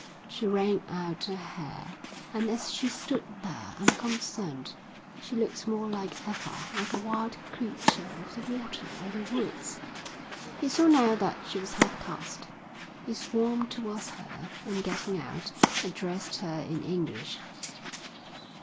She wrung out her hair, and as she stood there, unconcerned, she looked more than ever like a wild creature of the water or the woods. He saw now that she was half caste. He swam towards her and, getting out, addressed her in English.